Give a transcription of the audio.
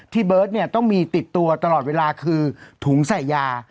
เบิร์ตเนี่ยต้องมีติดตัวตลอดเวลาคือถุงใส่ยา